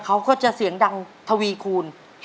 เขาก็จะเสียงดังทวีคูณ